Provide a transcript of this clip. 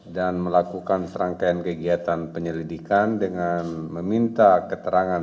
dan melakukan serangkaian kegiatan penyelidikan dengan meminta keterangan